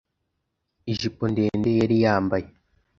ijipo ndende yari yambaye